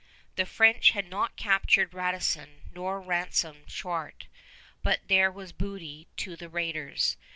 The French had not captured Radisson nor ransomed Chouart, but there was booty to the raiders.